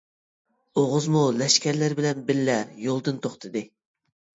ئوغۇزمۇ لەشكەرلىرى بىلەن بىللە يولدىن توختىدى.